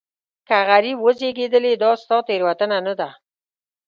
که غریب وزېږېدلې دا ستا تېروتنه نه ده.